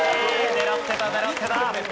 狙ってた狙ってた！